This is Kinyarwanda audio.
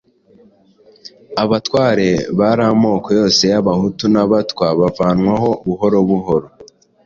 abatware bari amoko yose, ab'Abahutu n'Abatwa bavanwaho buhoro buhoro.